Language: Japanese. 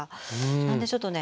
なのでちょっとね